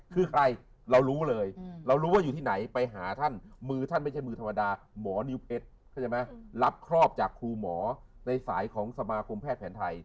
คือใครเรารู้เลยเรารู้ว่าอยู่ที่ไหนไปหาท่านมือท่านไม่ใช่มือธรรมดาหมอนิ้วเพชรรับครอบจากครูหมอในสายของสมาคมแพทย์แผนไทย